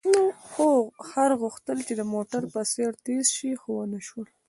خر غوښتل چې د موټر په څېر تېز شي، خو ونه شول.